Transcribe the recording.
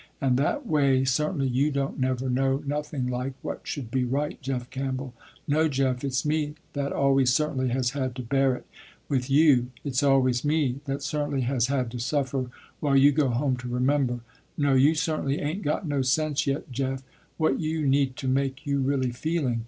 And that way, certainly, you don't never know nothing like what should be right Jeff Campbell. No Jeff, it's me that always certainly has had to bear it with you. It's always me that certainly has had to suffer, while you go home to remember. No you certainly ain't got no sense yet Jeff, what you need to make you really feeling.